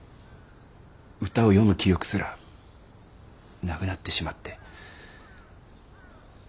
歌を詠む気力すらなくなってしまって。